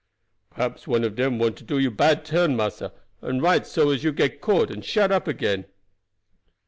"Perhaps one of dem want to do you bad turn, massa, and write so as to get you caught and shut up again."